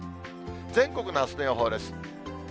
全国のあすの予報です。